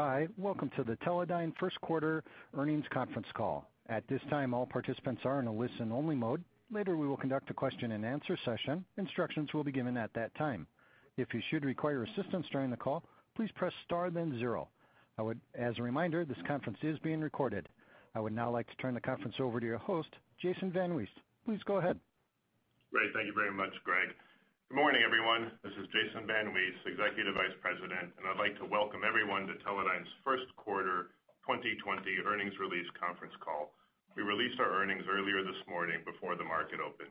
Standing by. Welcome to the Teledyne first quarter earnings conference call. At this time, all participants are in a listen-only mode. Later, we will conduct a question-and-answer session. Instructions will be given at that time. If you should require assistance during the call, please press star then zero. As a reminder, this conference is being recorded. I would now like to turn the conference over to your host, Jason VanWees. Please go ahead. Great. Thank you very much, Greg. Good morning, everyone. This is Jason VanWees, Executive Vice President, and I'd like to welcome everyone to Teledyne's first quarter 2020 earnings release conference call. We released our earlier this morning before the market opened.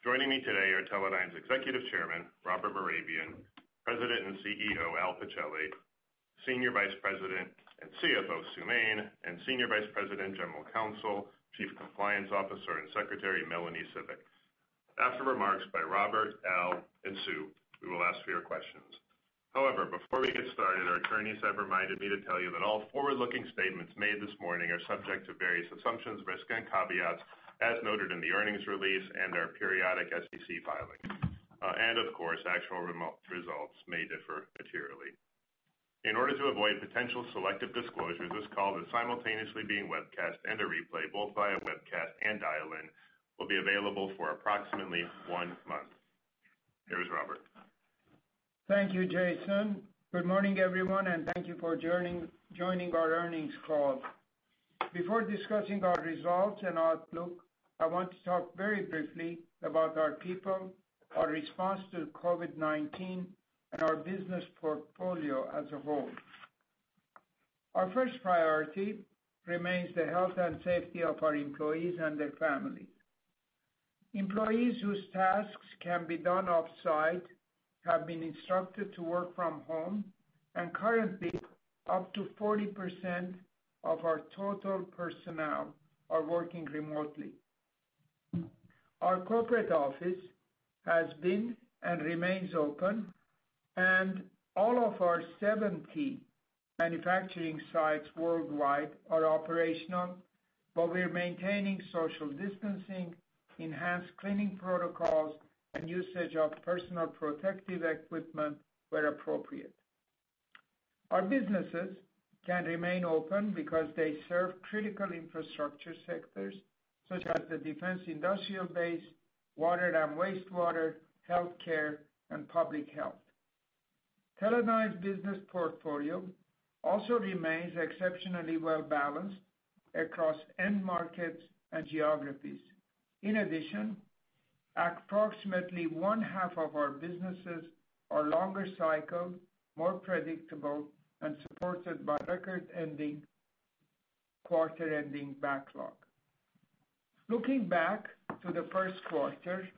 Joining me today are Teledyne's Executive Chairman, Robert Mehrabian, President and CEO, Al Pichelli, Senior Vice President and CFO, Sue Main, and Senior Vice President, General Counsel, Chief Compliance Officer, and Secretary, Melanie Cibik. After remarks by Robert, Al, and Sue, we will ask for your questions. However, before we get started, our attorneys have reminded me to tell you that all forward-looking statements made this morning are subject to various assumptions, risk, and caveats as noted in the earnings release and our periodic SEC filings. And, of course, actual results may differ materially. In order to avoid potential selective disclosures, this call is simultaneously being webcast and a replay both via webcast and dial-in. It will be available for approximately one month. Here is Robert. Thank you, Jason. Good morning, everyone, and thank you for joining our earnings call. Before discussing our results and outlook, I want to talk very briefly about our people, our response to COVID-19, and our business portfolio as a whole. Our first priority remains the health and safety of our employees and their families. Employees whose tasks can be done off-site have been instructed to work from home, and currently, up to 40% of our total personnel are working remotely. Our corporate office has been and remains open, and all of our 70 manufacturing sites worldwide are operational, but we're maintaining social distancing, enhanced cleaning protocols, and usage of personal protective equipment where appropriate. Our businesses can remain open because they serve critical infrastructure sectors such as the defense industrial base, water and wastewater, healthcare, and public health. Teledyne's business portfolio also remains exceptionally well-balanced across end markets and geographies. In addition, approximately one-half of our businesses are longer cycled, more predictable, and supported by record-ending, quarter-ending backlog. Looking back to the first quarter,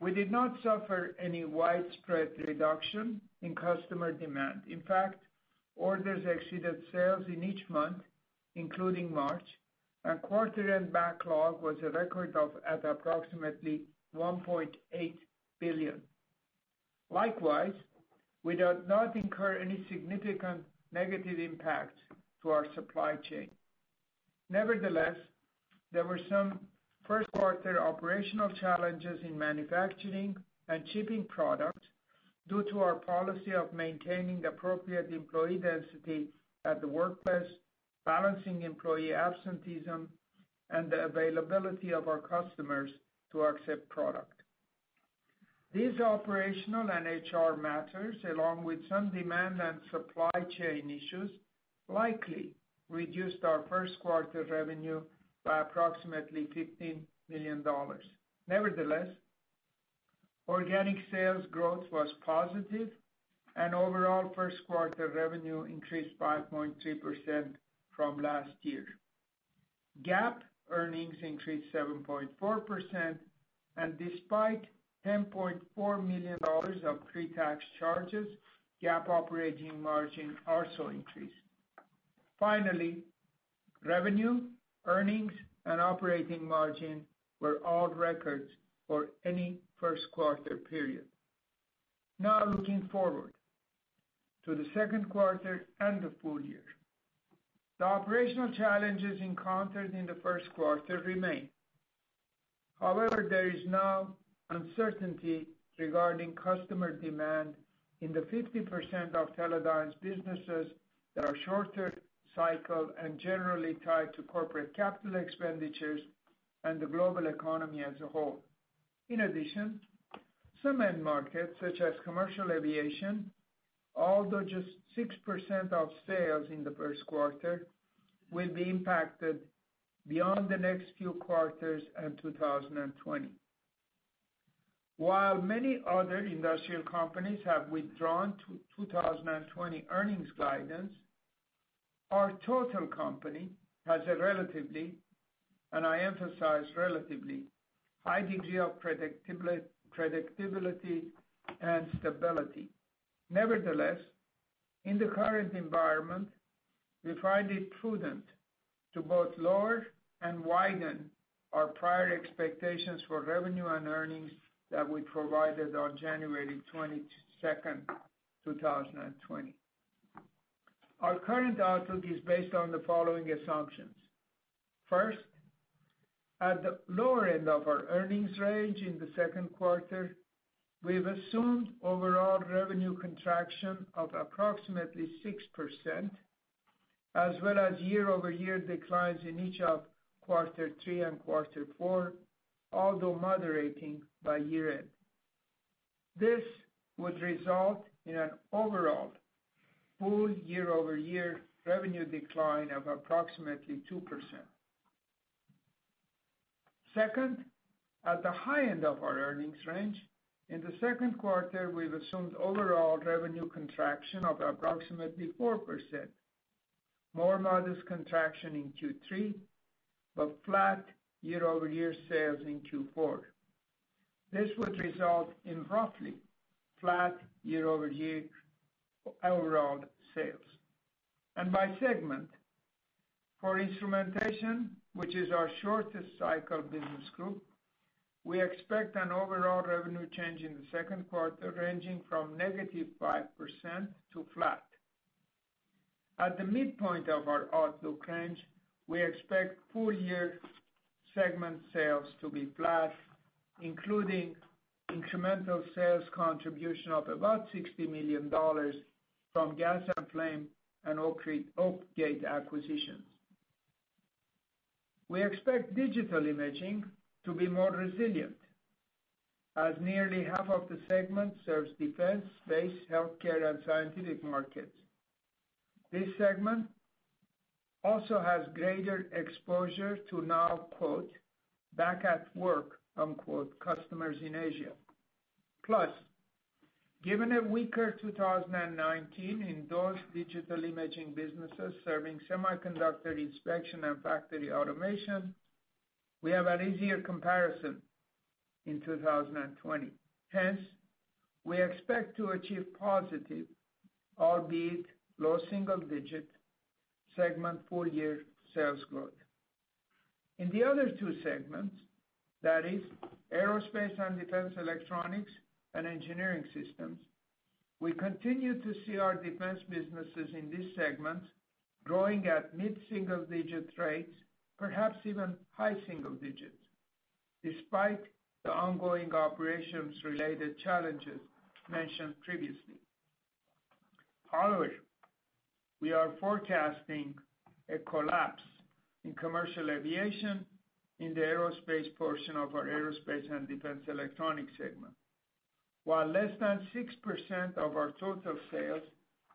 we did not suffer any widespread reduction in customer demand. In fact, orders exceeded sales in each month, including March, and quarter-end backlog was a record of approximately $1.8 billion. Likewise, we did not incur any significant negative impacts to our supply chain. Nevertheless, there were some first-quarter operational challenges in manufacturing and shipping products due to our policy of maintaining appropriate employee density at the workplace, balancing employee absenteeism, and the availability of our customers to accept product. These operational and HR matters, along with some demand and supply chain issues, likely reduced our first-quarter revenue by approximately $15 million. Nevertheless, organic sales growth was positive, and overall first-quarter revenue increased 5.3% from last year. GAAP earnings increased 7.4%, and despite $10.4 million of pre-tax charges, GAAP operating margin also increased. Finally, revenue, earnings, and operating margin were all records for any first-quarter period. Now, looking forward to the second quarter and the full year, the operational challenges encountered in the first quarter remain. However, there is now uncertainty regarding customer demand in the 50% of Teledyne's businesses that are shorter cycled and generally tied to corporate capital expenditures and the global economy as a whole. In addition, some end markets such as commercial aviation, although just 6% of sales in the first quarter, will be impacted beyond the next few quarters and 2020. While many other industrial companies have withdrawn to 2020 earnings guidance, our total company has a relatively, and I emphasize relatively, high degree of predictability and stability. Nevertheless, in the current environment, we find it prudent to both lower and widen our prior expectations for revenue and earnings that we provided on January 22nd, 2020. Our current outlook is based on the following assumptions. First, at the lower end of our earnings range in the second quarter, we've assumed overall revenue contraction of approximately 6%, as well as year-over-year declines in each of quarter three and quarter four, although moderating by year-end. This would result in an overall full year-over-year revenue decline of approximately 2%. Second, at the high end of our earnings range, in the second quarter, we've assumed overall revenue contraction of approximately 4%, more modest contraction in Q3, but flat year-over-year sales in Q4. This would result in roughly flat year-over-year overall sales. By segment, for instrumentation, which is our shortest cycle business group, we expect an overall revenue change in the second quarter ranging from negative 5% to flat. At the midpoint of our outlook range, we expect full-year segment sales to be flat, including incremental sales contribution of about $60 million from Gas and Flame and Oakgate acquisitions. We expect digital imaging to be more resilient, as nearly half of the segment serves defense, space, healthcare, and scientific markets. This segment also has greater exposure to now "back at work" customers in Asia. Plus, given a weaker 2019 in those digital imaging businesses serving semiconductor inspection and factory automation, we have an easier comparison in 2020. Hence, we expect to achieve positive, albeit low single-digit segment full-year sales growth. In the other two segments, that is, aerospace and defense electronics and engineered systems, we continue to see our defense businesses in this segment growing at mid-single-digit rates, perhaps even high single digits, despite the ongoing operations-related challenges mentioned previously. However, we are forecasting a collapse in commercial aviation in the aerospace portion of our aerospace and defense electronics segment. While less than 6% of our total sales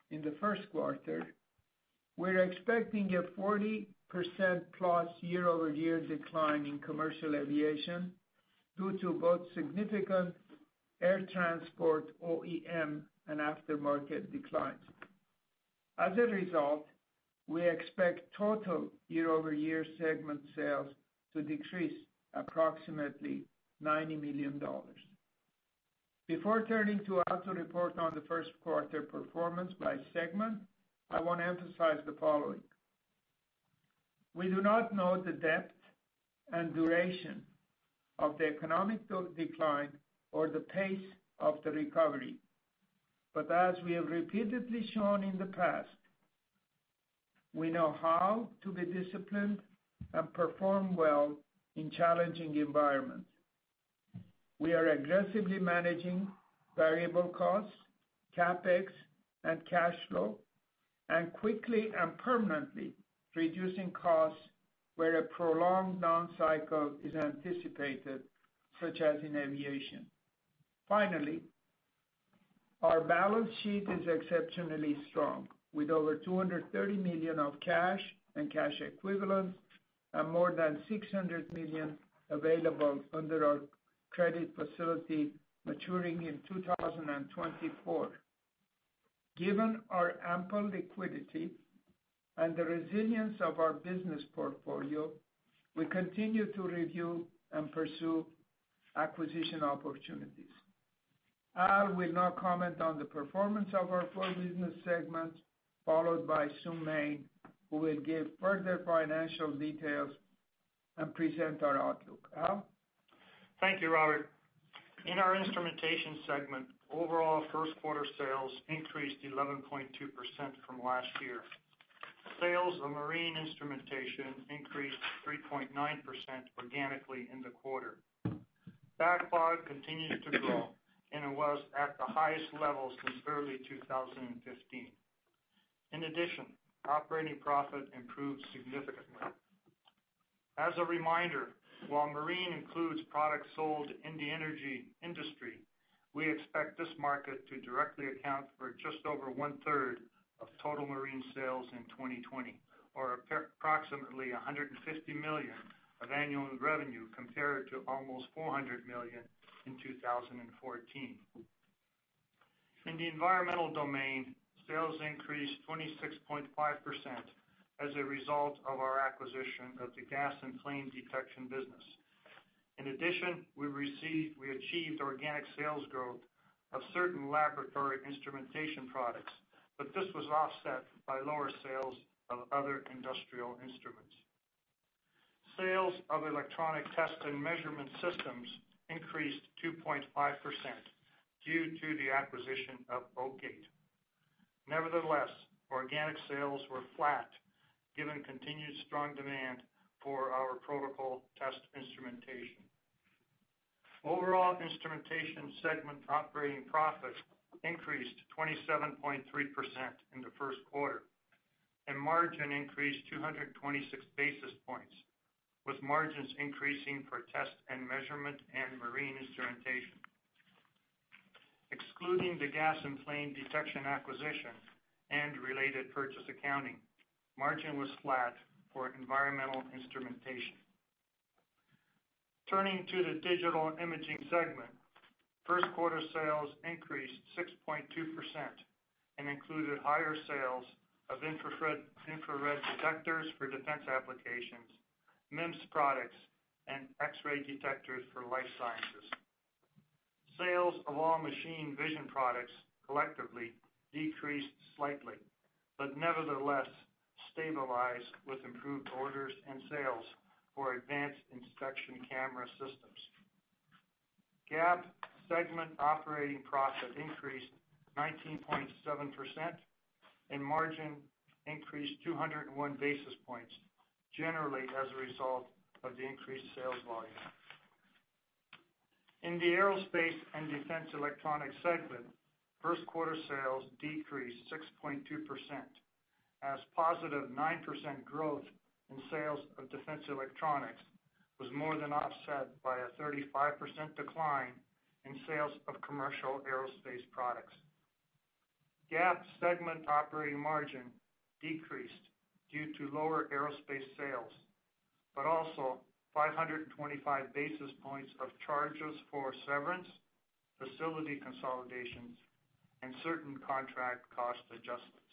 in the first quarter, we're expecting a 40% plus year-over-year decline in commercial aviation due to both significant air transport OEM and aftermarket declines. As a result, we expect total year-over-year segment sales to decrease approximately $90 million. Before turning to our report on the first quarter performance by segment, I want to emphasize the following. We do not know the depth and duration of the economic decline or the pace of the recovery, but as we have repeatedly shown in the past, we know how to be disciplined and perform well in challenging environments. We are aggressively managing variable costs, CapEx, and cash flow, and quickly and permanently reducing costs where a prolonged down cycle is anticipated, such as in aviation. Finally, our balance sheet is exceptionally strong, with over $230 million of cash and cash equivalents and more than $600 million available under our credit facility maturing in 2024. Given our ample liquidity and the resilience of our business portfolio, we continue to review and pursue acquisition opportunities. Al will now comment on the performance of our four business segments, followed by Sue Main, who will give further financial details and present our outlook. Al? Thank you, Robert. In our instrumentation segment, overall first quarter sales increased 11.2% from last year. Sales of marine instrumentation increased 3.9% organically in the quarter. Backlog continues to grow, and it was at the highest level since early 2015. In addition, operating profit improved significantly. As a reminder, while marine includes products sold in the energy industry, we expect this market to directly account for just over one-third of total marine sales in 2020, or approximately $150 million of annual revenue compared to almost $400 million in 2014. In the environmental domain, sales increased 26.5% as a result of our acquisition of the gas and flame detection business. In addition, we achieved organic sales growth of certain laboratory instrumentation products, but this was offset by lower sales of other industrial instruments. Sales of electronic test and measurement systems increased 2.5% due to the acquisition of Oakgate. Nevertheless, organic sales were flat given continued strong demand for our protocol test instrumentation. Overall instrumentation segment operating profit increased 27.3% in the first quarter, and margin increased 226 basis points, with margins increasing for test and measurement and marine instrumentation. Excluding the gas and flame detection acquisition and related purchase accounting, margin was flat for environmental instrumentation. Turning to the digital imaging segment, first-quarter sales increased 6.2% and included higher sales of infrared detectors for defense applications, MEMS products, and X-ray detectors for life sciences. Sales of all machine vision products collectively decreased slightly, but nevertheless stabilized with improved orders and sales for advanced inspection camera systems. GAAP segment operating profit increased 19.7%, and margin increased 201 basis points generally as a result of the increased sales volume. In the aerospace and defense electronics segment, first-quarter sales decreased 6.2%, as positive 9% growth in sales of defense electronics was more than offset by a 35% decline in sales of commercial aerospace products. GAAP segment operating margin decreased due to lower aerospace sales, but also 525 basis points of charges for severance, facility consolidations, and certain contract cost adjustments.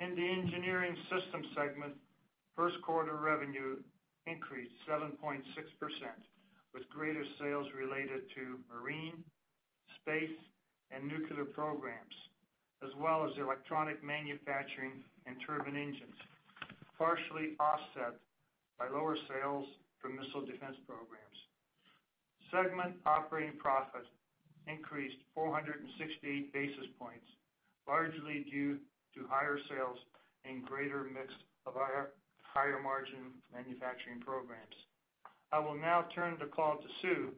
In the engineering systems segment, first-quarter revenue increased 7.6%, with greater sales related to marine, space, and nuclear programs, as well as electronic manufacturing and turbine engines, partially offset by lower sales for missile defense programs. Segment operating profit increased 468 basis points, largely due to higher sales and greater mix of higher margin manufacturing programs. I will now turn the call to Sue,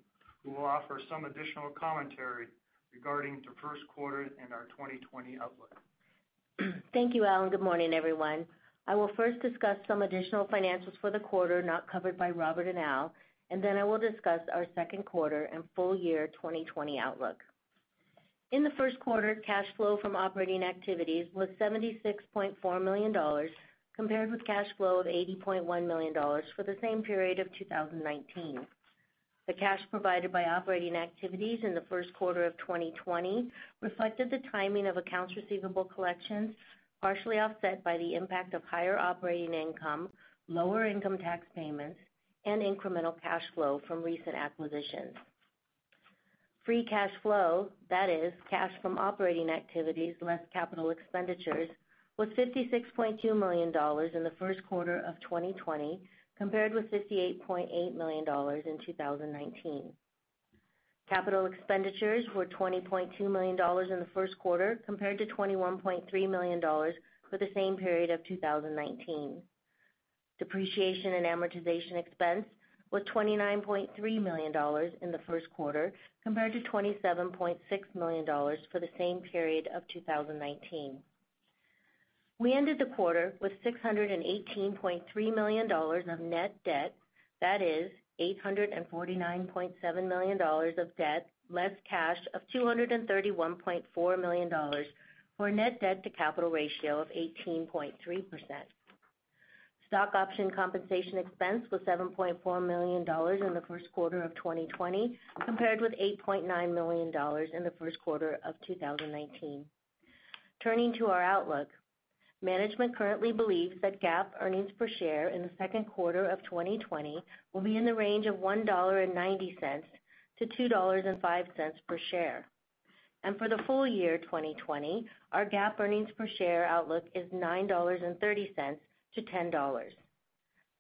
who will offer some additional commentary regarding the first quarter and our 2020 outlook. Thank you, Al, and good morning, everyone. I will first discuss some additional financials for the quarter not covered by Robert and Al, and then I will discuss our second quarter and full-year 2020 outlook. In the first quarter, cash flow from operating activities was $76.4 million compared with cash flow of $80.1 million for the same period of 2019. The cash provided by operating activities in the first quarter of 2020 reflected the timing of accounts receivable collections, partially offset by the impact of higher operating income, lower income tax payments, and incremental cash flow from recent acquisitions. Free cash flow, that is, cash from operating activities less capital expenditures, was $56.2 million in the first quarter of 2020 compared with $58.8 million in 2019. Capital expenditures were $20.2 million in the first quarter compared to $21.3 million for the same period of 2019. Depreciation and amortization expense was $29.3 million in the first quarter compared to $27.6 million for the same period of 2019. We ended the quarter with $618.3 million of net debt, that is, $849.7 million of debt less cash of $231.4 million for a net debt-to-capital ratio of 18.3%. Stock option compensation expense was $7.4 million in the first quarter of 2020 compared with $8.9 million in the first quarter of 2019. Turning to our outlook, management currently believes that GAAP earnings per share in the second quarter of 2020 will be in the range of $1.90 to $2.05 per share. And for the full year 2020, our GAAP earnings per share outlook is $9.30 to $10.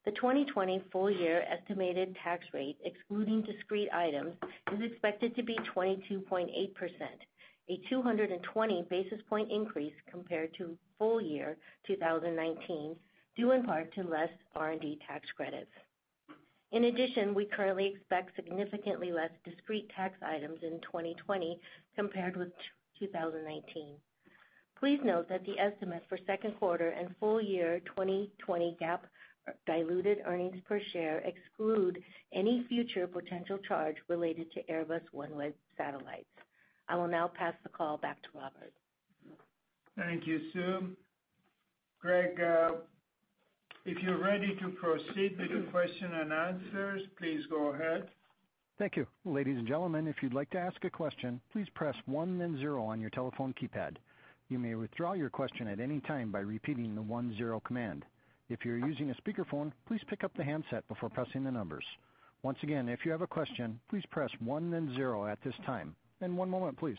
The 2020 full year estimated tax rate, excluding discrete items, is expected to be 22.8%, a 220 basis points increase compared to full year 2019, due in part to less R&D tax credits. In addition, we currently expect significantly less discrete tax items in 2020 compared with 2019. Please note that the estimate for second quarter and full year 2020 GAAP diluted earnings per share exclude any future potential charge related to Airbus OneWeb Satellites. I will now pass the call back to Robert. Thank you, Sue. Greg, if you're ready to proceed with the question and answers, please go ahead. Thank you. Ladies and gentlemen, if you'd like to ask a question, please press 1 then 0 on your telephone keypad. You may withdraw your question at any time by repeating the 1-0 command. If you're using a speakerphone, please pick up the handset before pressing the numbers. Once again, if you have a question, please press 1 then 0 at this time. And one moment, please.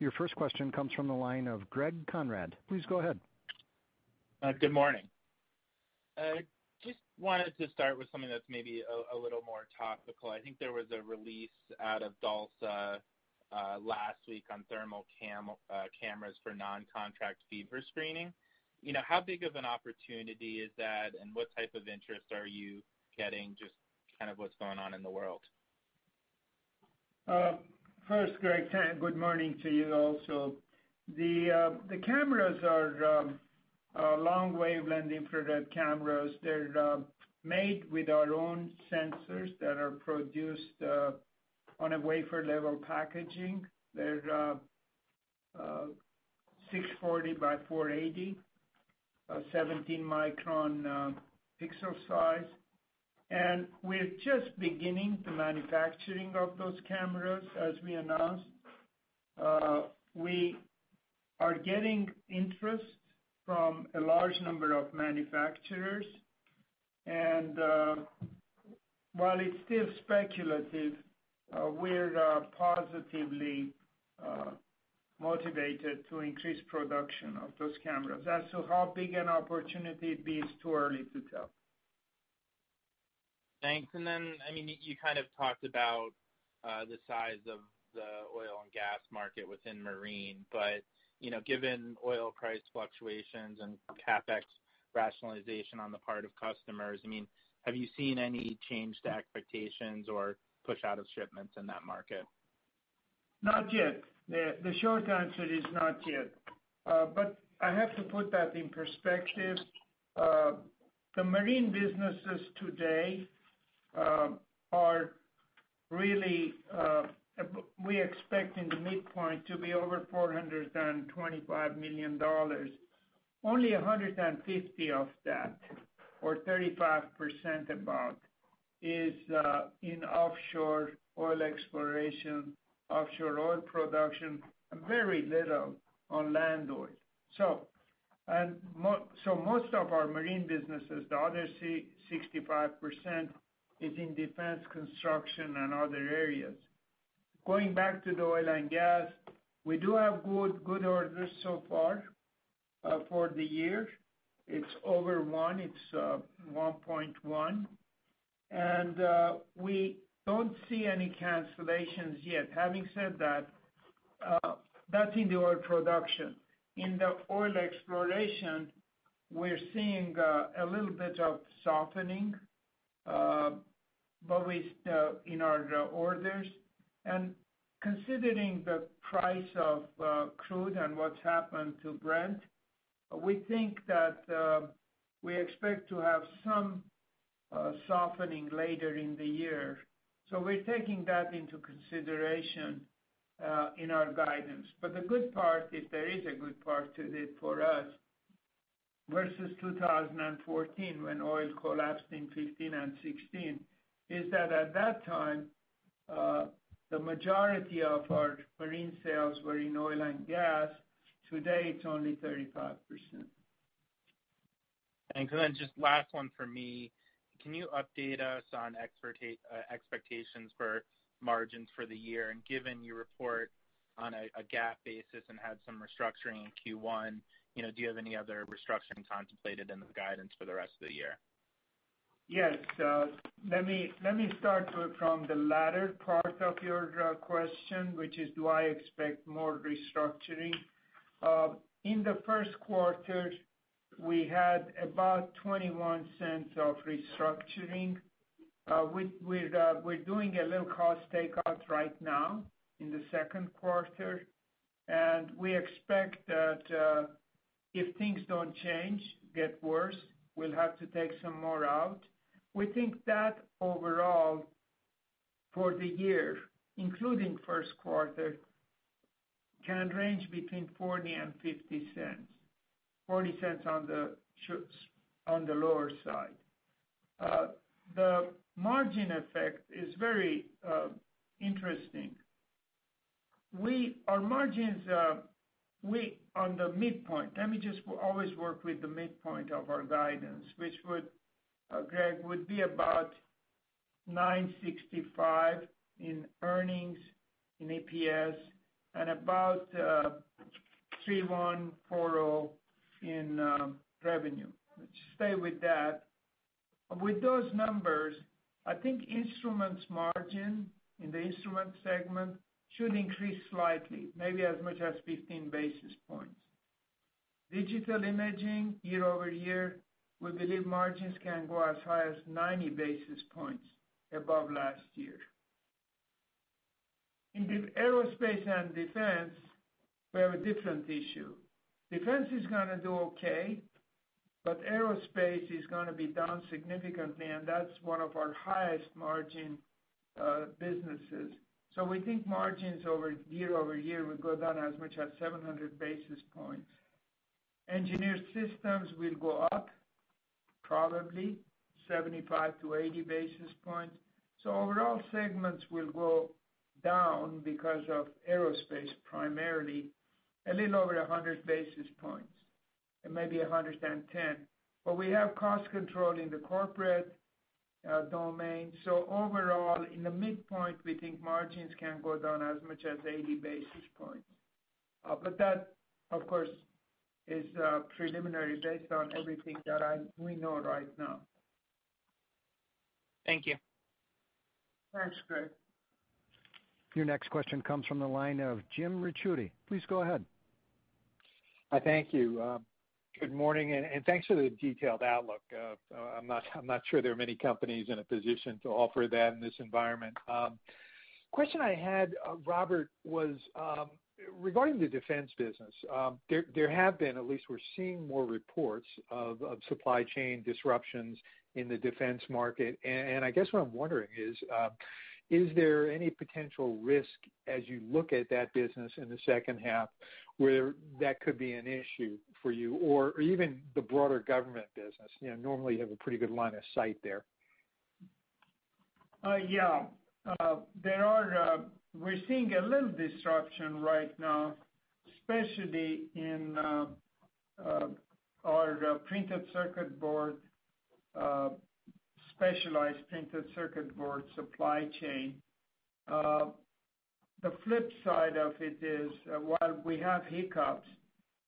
Your first question comes from the line of Greg Konrad. Please go ahead. Good morning. Just wanted to start with something that's maybe a little more topical. I think there was a release out of DALSA last week on thermal cameras for non-contract fever screening. How big of an opportunity is that, and what type of interest are you getting? Just kind of what's going on in the world. First, Greg, good morning to you also. The cameras are long-wavelength infrared cameras. They're made with our own sensors that are produced on a wafer-level packaging. They're 640 by 480, 17-micron pixel size. And we're just beginning the manufacturing of those cameras, as we announced. We are getting interest from a large number of manufacturers. And while it's still speculative, we're positively motivated to increase production of those cameras. As to how big an opportunity it'd be, it's too early to tell. Thanks. And then, I mean, you kind of talked about the size of the oil and gas market within marine. But given oil price fluctuations and CapEx rationalization on the part of customers, I mean, have you seen any change to expectations or push out of shipments in that market? Not yet. The short answer is not yet. But I have to put that in perspective. The marine businesses today are really, we expect in the midpoint to be over $425 million. Only $150 of that, or about 35%, is in offshore oil exploration, offshore oil production, and very little on land oil. So most of our marine businesses, the other 65%, is in defense, construction, and other areas. Going back to the oil and gas, we do have good orders so far for the year. It's over $1. It's $1.1. And we don't see any cancellations yet. Having said that, that's in the oil production. In the oil exploration, we're seeing a little bit of softening in our orders. And considering the price of crude and what's happened to Brent, we think that we expect to have some softening later in the year. So we're taking that into consideration in our guidance. But the good part is there is a good part to it for us versus 2014 when oil collapsed in 2015 and 2016, is that at that time, the majority of our marine sales were in oil and gas. Today, it's only 35%. Thanks. And then just last one for me. Can you update us on expectations for margins for the year? And given you report on a GAAP basis and had some restructuring in Q1, do you have any other restructuring contemplated in the guidance for the rest of the year? Yes. Let me start from the latter part of your question, which is, do I expect more restructuring? In the first quarter, we had about $0.21 of restructuring. We're doing a little cost takeout right now in the second quarter. And we expect that if things don't change, get worse, we'll have to take some more out. We think that overall for the year, including first quarter, can range between $0.40 and $0.50, $0.40 on the lower side. The margin effect is very interesting. Our margins on the midpoint, let me just always work with the midpoint of our guidance, which would, Greg, would be about $9.65 in earnings in EPS and about $3,140 in revenue. Let's stay with that. With those numbers, I think instruments margin in the instruments segment should increase slightly, maybe as much as 15 basis points. Digital imaging, year-over-year, we believe margins can go as high as 90 basis points above last year. In the aerospace and defense, we have a different issue. Defense is going to do okay, but aerospace is going to be down significantly, and that's one of our highest margin businesses. So we think margins over year-over-year will go down as much as 700 basis points. Engineered systems will go up, probably 75-80 basis points. So overall, segments will go down because of aerospace primarily, a little over 100 basis points and maybe 110. But we have cost control in the corporate domain. So overall, in the midpoint, we think margins can go down as much as 80 basis points. But that, of course, is preliminary based on everything that we know right now. Thank you. Thanks, Greg. Your next question comes from the line of Jim Ricchiuti. Please go ahead. Thank you. Good morning, and thanks for the detailed outlook. I'm not sure there are many companies in a position to offer that in this environment. The question I had, Robert, was regarding the defense business. There have been, at least we're seeing more reports of supply chain disruptions in the defense market. And I guess what I'm wondering is, is there any potential risk as you look at that business in the second half where that could be an issue for you or even the broader government business? Normally, you have a pretty good line of sight there. Yeah. We're seeing a little disruption right now, especially in our printed circuit board, specialized printed circuit board supply chain. The flip side of it is, while we have hiccups,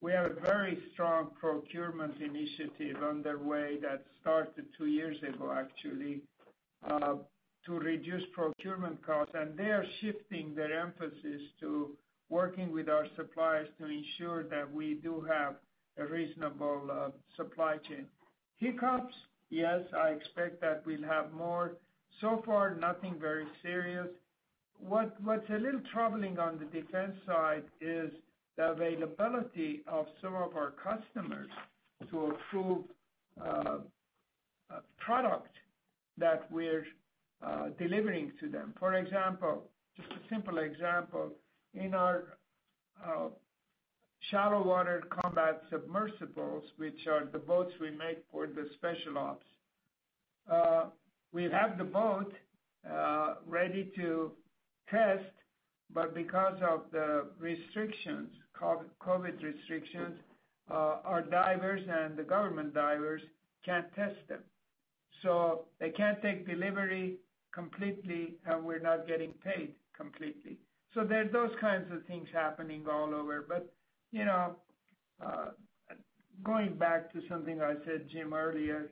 we have a very strong procurement initiative underway that started two years ago, actually, to reduce procurement costs. And they are shifting their emphasis to working with our suppliers to ensure that we do have a reasonable supply chain. Hiccups, yes, I expect that we'll have more. So far, nothing very serious. What's a little troubling on the defense side is the availability of some of our customers to approve product that we're delivering to them. For example, just a simple example, in our Shallow Water Combat Submersibles, which are the boats we make for the special ops, we have the boat ready to test, but because of the restrictions, COVID restrictions, our divers and the government divers can't test them. So they can't take delivery completely, and we're not getting paid completely. So there are those kinds of things happening all over. But going back to something I said, Jim, earlier,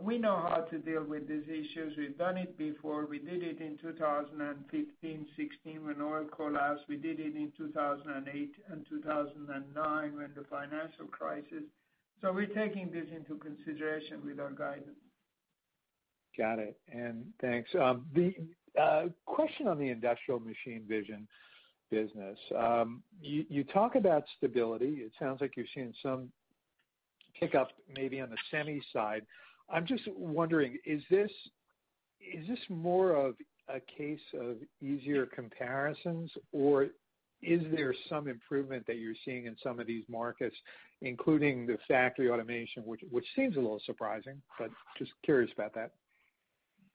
we know how to deal with these issues. We've done it before. We did it in 2015, 2016 when oil collapsed. We did it in 2008 and 2009 when the financial crisis. So we're taking this into consideration with our guidance. Got it. And thanks. Question on the industrial machine vision business. You talk about stability. It sounds like you're seeing some hiccup maybe on the semi side. I'm just wondering, is this more of a case of easier comparisons, or is there some improvement that you're seeing in some of these markets, including the factory automation, which seems a little surprising, but just curious about that?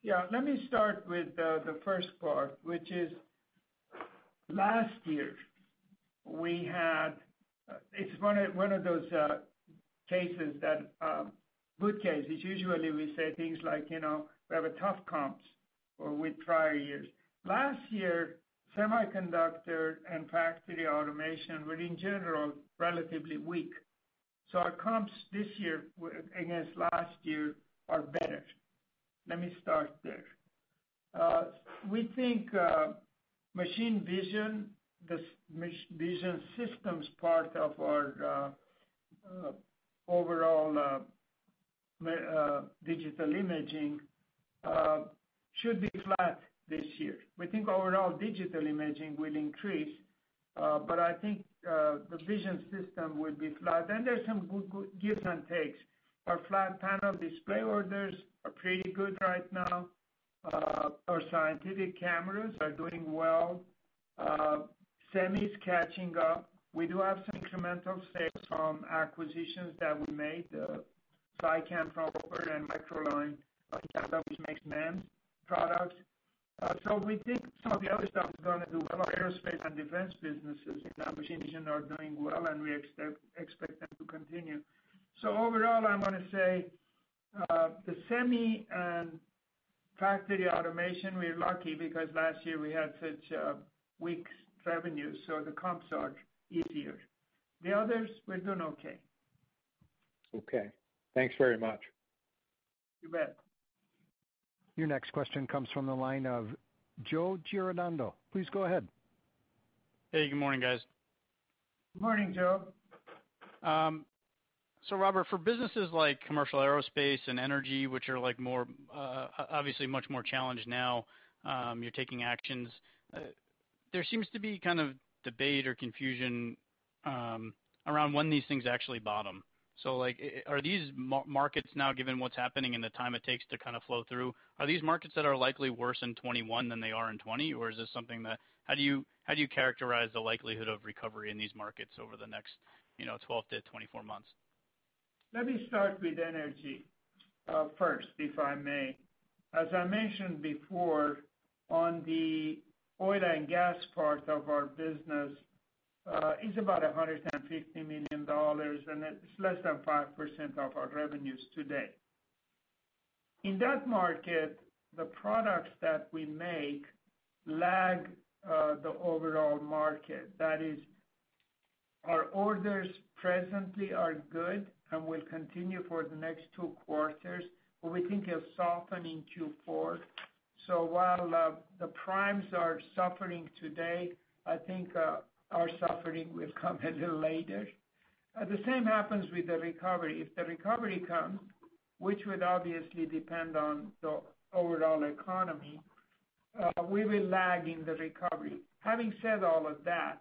Yeah. Let me start with the first part, which is last year. We had. It's one of those good cases. Usually, we say things like we have tough comps or with prior years. Last year, semiconductor and factory automation were, in general, relatively weak. So our comps this year against last year are better. Let me start there. We think machine vision, the vision systems part of our overall digital imaging, should be flat this year. We think overall digital imaging will increase, but I think the vision system will be flat. And there's some good give and takes. Our flat panel display orders are pretty good right now. Our scientific cameras are doing well. Semi is catching up. We do have some incremental sales from acquisitions that we made, SciCam from Robert and Micralyne, which makes MEMS products. So we think some of the other stuff is going to do well. Our aerospace and defense businesses in our machine vision are doing well, and we expect them to continue. So overall, I'm going to say the semi and factory automation, we're lucky because last year we had such weak revenue. So the comps are easier. The others, we're doing okay. Okay. Thanks very much. You bet. Your next question comes from the line of Joe Giordano. Please go ahead. Hey, good morning, guys. Good morning, Joe. So, Robert, for businesses like commercial aerospace and energy, which are obviously much more challenged now, you're taking actions. There seems to be kind of debate or confusion around when these things actually bottom. So are these markets now, given what's happening and the time it takes to kind of flow through, are these markets that are likely worse in 2021 than they are in 2020, or is this something that how do you characterize the likelihood of recovery in these markets over the next 12 to 24 months? Let me start with energy first, if I may. As I mentioned before, on the oil and gas part of our business, it's about $150 million, and it's less than 5% of our revenues today. In that market, the products that we make lag the overall market. That is, our orders presently are good and will continue for the next two quarters, but we think it'll soften in Q4. So while the primes are suffering today, I think our suffering will come a little later. The same happens with the recovery. If the recovery comes, which would obviously depend on the overall economy, we will lag in the recovery. Having said all of that,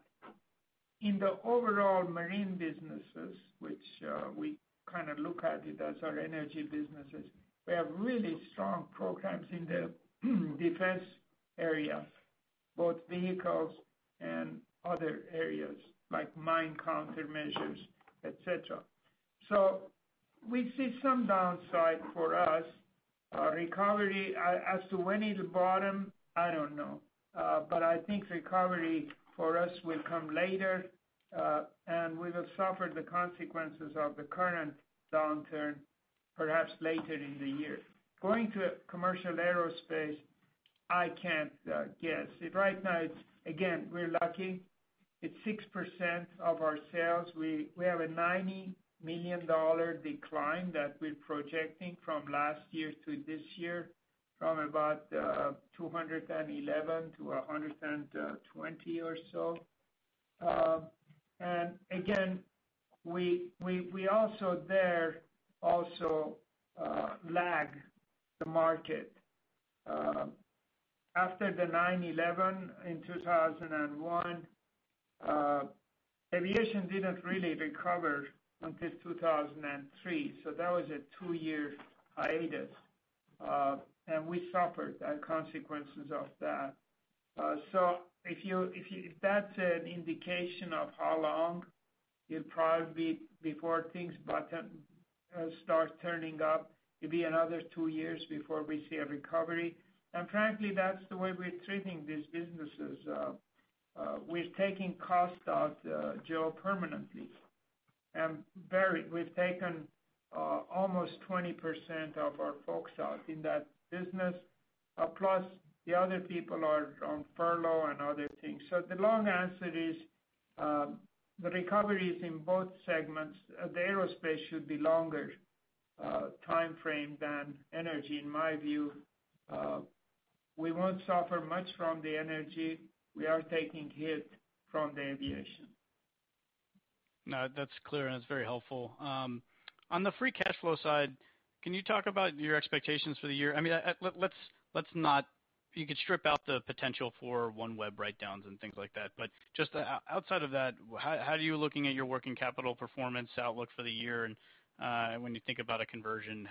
in the overall marine businesses, which we kind of look at it as our energy businesses, we have really strong programs in the defense area, both vehicles and other areas like mine countermeasures, etc. So we see some downside for us. Recovery as to when it'll bottom, I don't know. But I think recovery for us will come later, and we will suffer the consequences of the current downturn perhaps later in the year. Going to commercial aerospace, I can't guess. Right now, again, we're lucky. It's 6% of our sales. We have a $90 million decline that we're projecting from last year to this year, from about $211 million to $120 million or so. And again, we also there also lag the market. After the 9/11 in 2001, aviation didn't really recover until 2003. So that was a two-year hiatus. And we suffered the consequences of that. So if that's an indication of how long it'll probably be before things start turning up, it'll be another two years before we see a recovery. And frankly, that's the way we're treating these businesses. We're taking costs out, Joe, permanently. And we've taken almost 20% of our folks out in that business. Plus, the other people are on furlough and other things. So the long answer is the recovery is in both segments. The aerospace should be a longer timeframe than energy, in my view. We won't suffer much from the energy. We are taking hit from the aviation. No, that's clear, and it's very helpful. On the free cash flow side, can you talk about your expectations for the year? I mean, let's not. You could strip out the potential for OneWeb write-downs and things like that. But just outside of that, how are you looking at your working capital performance outlook for the year? And when you think about a conversion,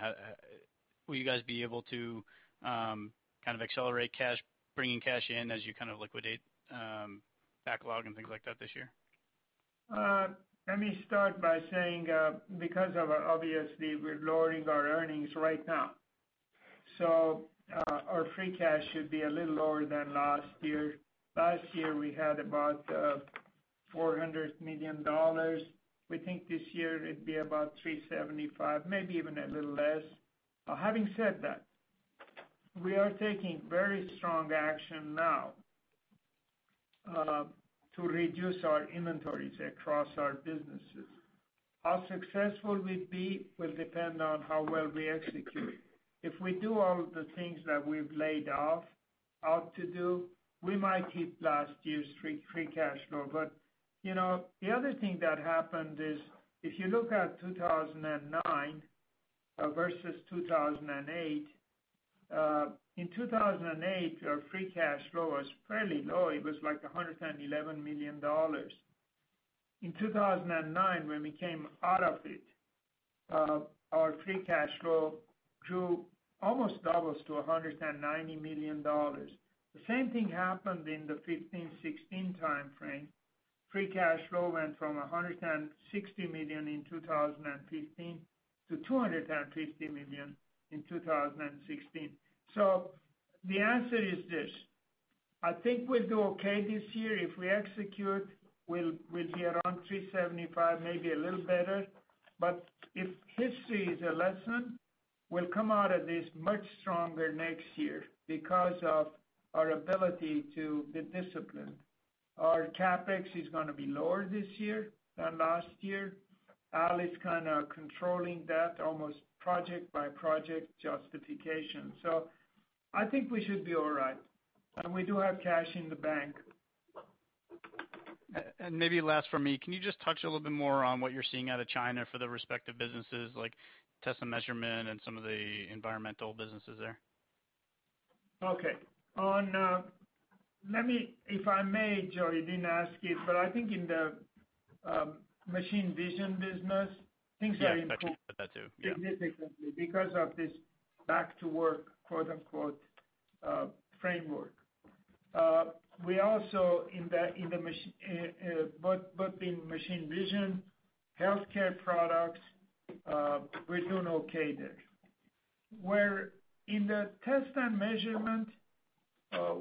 will you guys be able to kind of accelerate bringing cash in as you kind of liquidate backlog and things like that this year? Let me start by saying, because obviously we're lowering our earnings right now. So our free cash flow should be a little lower than last year. Last year, we had about $400 million. We think this year it'd be about $375 million, maybe even a little less. Having said that, we are taking very strong action now to reduce our inventories across our businesses. How successful we'd be will depend on how well we execute. If we do all the things that we've laid out to do, we might hit last year's free cash flow. But the other thing that happened is if you look at 2009 versus 2008, in 2008, our free cash flow was fairly low. It was like $111 million. In 2009, when we came out of it, our free cash flow nearly doubles to $190 million. The same thing happened in the 2015, 2016 timeframe. Free cash flow went from $160 million in 2015 to $250 million in 2016, so the answer is this. I think we'll do okay this year. If we execute, we'll be around $375 million, maybe a little better. But if history is a lesson, we'll come out of this much stronger next year because of our ability to be disciplined. Our CapEx is going to be lower this year than last year. Al is kind of controlling that, almost project-by-project justification. I think we should be all right, and we do have cash in the bank. And maybe last for me, can you just touch a little bit more on what you're seeing out of China for the respective businesses, like test and measurement and some of the environmental businesses there? Okay. If I may, Joe, you didn't ask it, but I think in the machine vision business, things are improved. I think I can put that too. Yeah. Significantly, because of this back-to-work, quote-unquote, framework. We also, in both machine vision, healthcare products, we're doing okay there. Where in the test and measurement,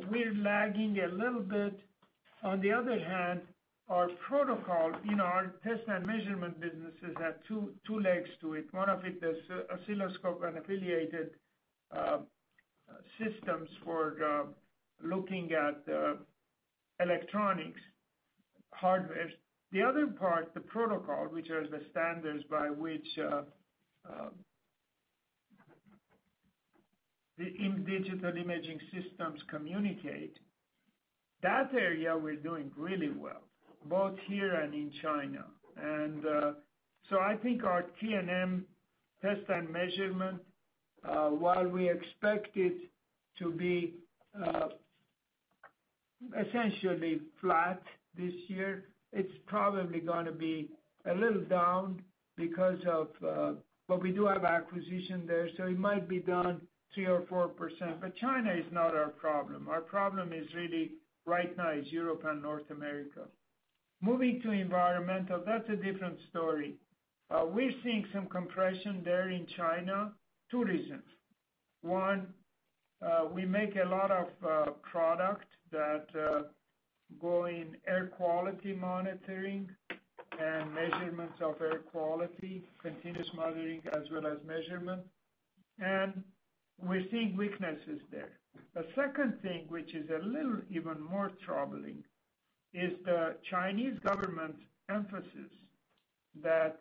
we're lagging a little bit. On the other hand, our protocol, our test and measurement businesses have two legs to it. One of it is oscilloscope and affiliated systems for looking at electronics hardware. The other part, the protocol, which are the standards by which digital imaging systems communicate, that area we're doing really well, both here and in China, and so I think our T&M test and measurement, while we expect it to be essentially flat this year, it's probably going to be a little down because of, but we do have acquisition there. So it might be down 3 or 4%. But China is not our problem. Our problem really right now is Europe and North America. Moving to environmental, that's a different story. We're seeing some compression there in China. Two reasons. One, we make a lot of product that go in air quality monitoring and measurements of air quality, continuous monitoring as well as measurement, and we're seeing weaknesses there. The second thing, which is a little even more troubling, is the Chinese government's emphasis that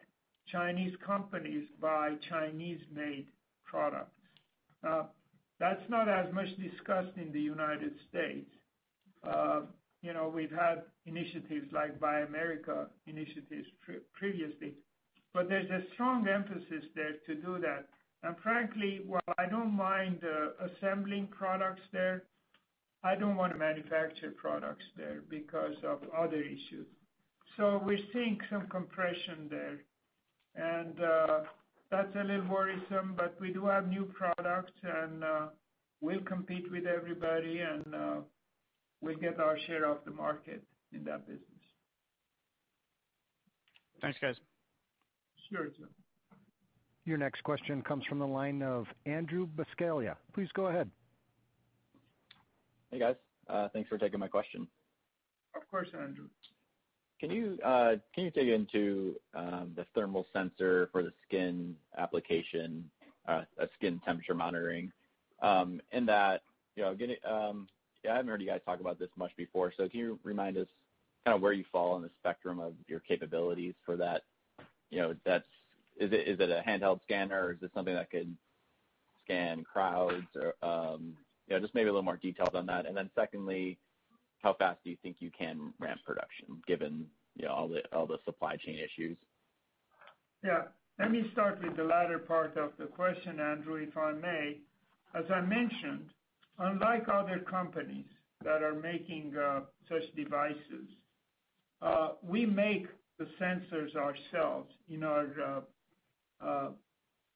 Chinese companies buy Chinese-made products. That's not as much discussed in the United States. We've had initiatives like Buy America initiatives previously, but there's a strong emphasis there to do that. And frankly, while I don't mind assembling products there, I don't want to manufacture products there because of other issues, so we're seeing some compression there, and that's a little worrisome, but we do have new products, and we'll compete with everybody, and we'll get our share of the market in that business. Thanks, guys. Sure, Joe. Your next question comes from the line of Andrew Buscaglia. Please go ahead. Hey, guys. Thanks for taking my question. Of course, Andrew. Can you dig into the thermal sensor for the skin application, skin temperature monitoring, in that I haven't heard you guys talk about this much before. So can you remind us kind of where you fall on the spectrum of your capabilities for that? Is it a handheld scanner, or is it something that can scan crowds? Just maybe a little more detail on that. And then secondly, how fast do you think you can ramp production, given all the supply chain issues? Yeah. Let me start with the latter part of the question, Andrew, if I may. As I mentioned, unlike other companies that are making such devices, we make the sensors ourselves in our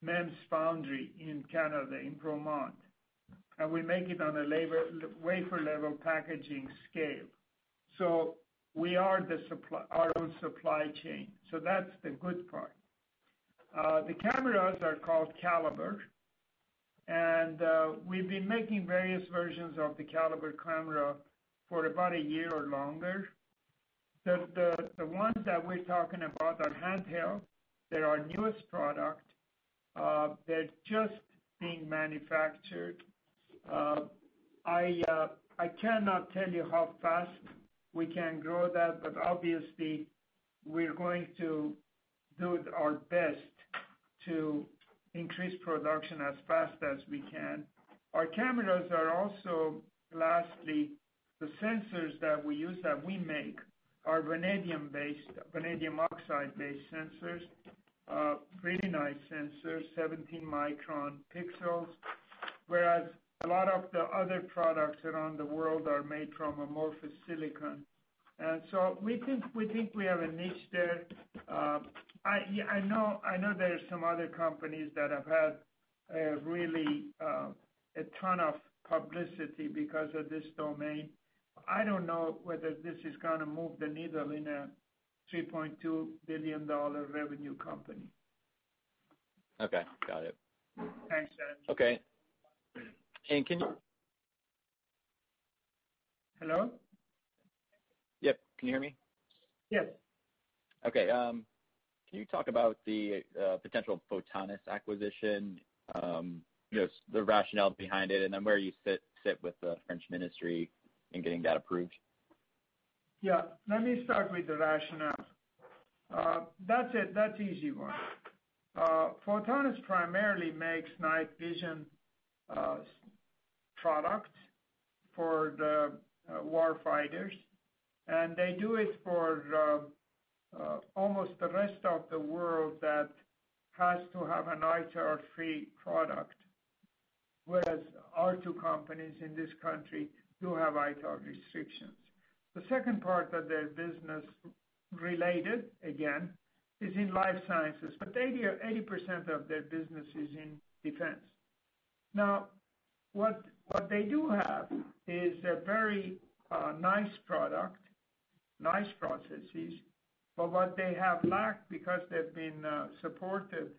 MEMS foundry in Bromont, Quebec, and we make it on a wafer-level packaging scale. So we are our own supply chain. So that's the good part. The cameras are called Calibir, and we've been making various versions of the Calibir camera for about a year or longer. The ones that we're talking about are handheld. They're our newest product. They're just being manufactured. I cannot tell you how fast we can grow that, but obviously, we're going to do our best to increase production as fast as we can. Our cameras are also lastly, the sensors that we use that we make are vanadium-based, vanadium oxide-based sensors, really nice sensors, 17-micron pixels, whereas a lot of the other products around the world are made from amorphous silicon. And so we think we have a niche there. I know there are some other companies that have had really a ton of publicity because of this domain. I don't know whether this is going to move the needle in a $3.2 billion revenue company. Okay. Got it. Thanks, Andrew. Okay. And can you? Hello? Yep. Can you hear me? Yes. Okay. Can you talk about the potential Photonis acquisition, the rationale behind it, and then where you sit with the French ministry in getting that approved? Yeah. Let me start with the rationale. That's it. That's an easy one. Photonis primarily makes night vision products for the war fighters, and they do it for almost the rest of the world that has to have an ITAR-free product, whereas our two companies in this country do have ITAR restrictions. The second part of their business related, again, is in life sciences. But 80% of their business is in defense. Now, what they do have is a very nice product, nice processes, but what they have lacked because they've been supported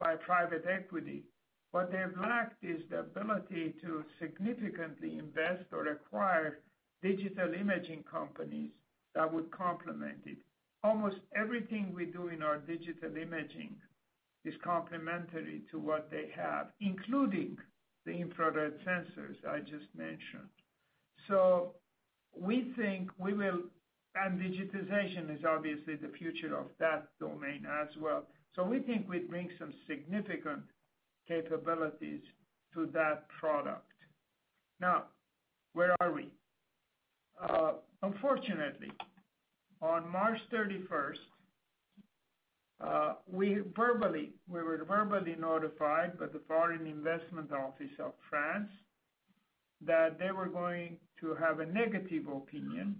by private equity, what they've lacked is the ability to significantly invest or acquire digital imaging companies that would complement it. Almost everything we do in our digital imaging is complementary to what they have, including the infrared sensors I just mentioned. So we think we will, and digitization is obviously the future of that domain as well. So we think we'd bring some significant capabilities to that product. Now, where are we? Unfortunately, on March 31st, we were verbally notified by the Foreign Investment Office of France that they were going to have a negative opinion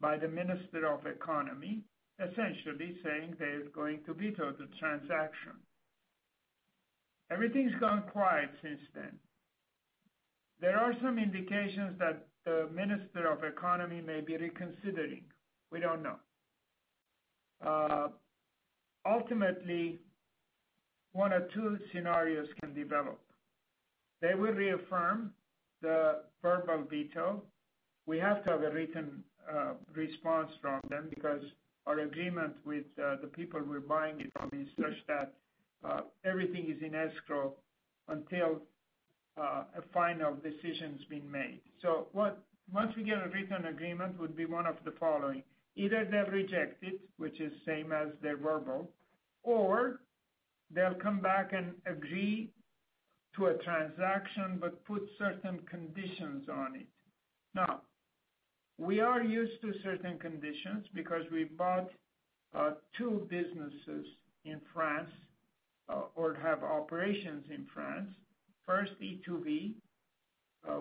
by the Minister of Economy, essentially saying they're going to veto the transaction. Everything's gone quiet since then. There are some indications that the Minister of Economy may be reconsidering. We don't know. Ultimately, one or two scenarios can develop. They will reaffirm the verbal veto. We have to have a written response from them because our agreement with the people we're buying it from is such that everything is in escrow until a final decision's been made. So once we get a written agreement, it would be one of the following. Either they'll reject it, which is the same as their verbal, or they'll come back and agree to a transaction but put certain conditions on it. Now, we are used to certain conditions because we bought two businesses in France or have operations in France. First, e2v,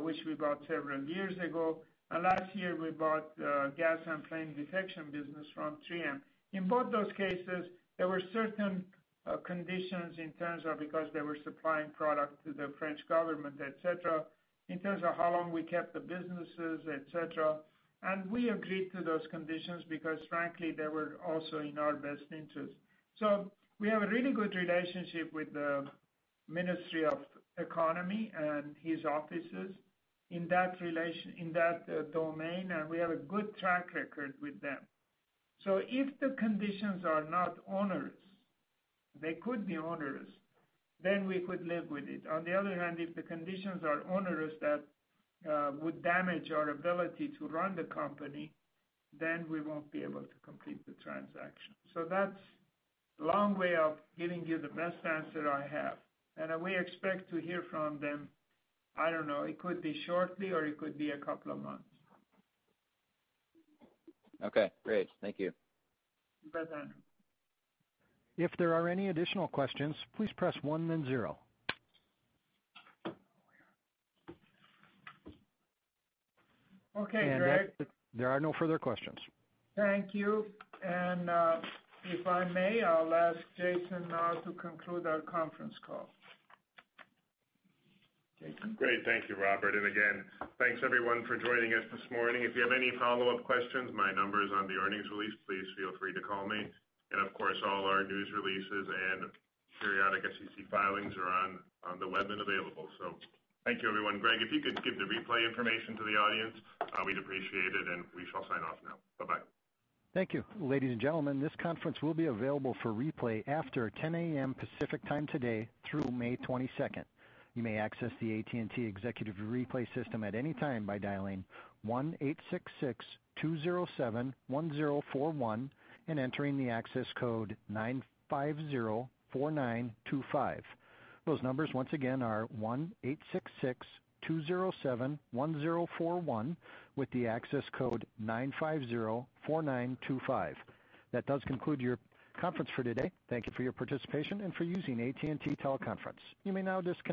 which we bought several years ago. And last year, we bought the gas and flame detection business from 3M. In both those cases, there were certain conditions in terms of because they were supplying product to the French government, etc., in terms of how long we kept the businesses, etc. And we agreed to those conditions because, frankly, they were also in our best interest. So we have a really good relationship with the Ministry of Economy and his offices in that domain, and we have a good track record with them. So if the conditions are not onerous, they could be onerous, then we could live with it. On the other hand, if the conditions are onerous, that would damage our ability to run the company, then we won't be able to complete the transaction. So that's a long way of giving you the best answer I have. And we expect to hear from them, I don't know, it could be shortly or it could be a couple of months. Okay. Great. Thank you. Bye-bye. If there are any additional questions, please press one then zero. Okay, Greg. There are no further questions. Thank you and if I may, I'll ask Jason now to conclude our conference call. Jason? Great. Thank you, Robert. And again, thanks everyone for joining us this morning. If you have any follow-up questions, my number is on the earnings release. Please feel free to call me. And of course, all our news releases and periodic SEC filings are on the web and available. So thank you, everyone. Greg, if you could give the replay information to the audience, we'd appreciate it, and we shall sign off now. Bye-bye. Thank you. Ladies and gentlemen, this conference will be available for replay after 10:00 A.M. Pacific Time today through May 22nd. You may access the AT&T Executive Replay System at any time by dialing 1-866-207-1041 and entering the access code 9504925. Those numbers, once again, are 1-866-207-1041 with the access code 9504925. That does conclude your conference for today. Thank you for your participation and for using AT&T Teleconference. You may now disconnect.